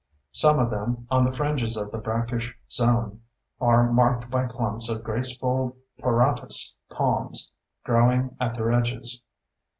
Some of them, on the fringes of the brackish zone, are marked by clumps of graceful paurotis palms growing at their edges.